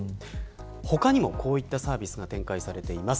他にも、こういったサービスが展開されています。